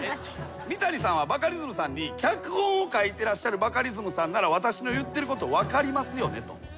三谷さんはバカリズムさんに「脚本を書いてらっしゃるバカリズムさんなら私の言ってること分かりますよね」と。